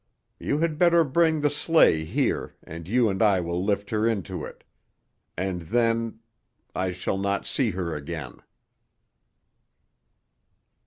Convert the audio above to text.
You had better bring the sleigh here, and you and I will lift her into it. And then I shall not see her again."